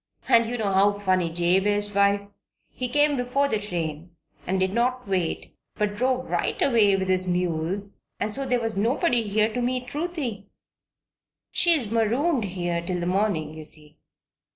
And you know how funny Jabe is, wife? He came before the train, and did not wait, but drove right away with his mules and so there was nobody here to meet Ruthie. She's marooned here till the morning, you see."